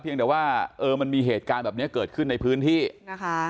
ยังแต่ว่าเออมันมีเหตุการณ์แบบนี้เกิดขึ้นในพื้นที่นะคะ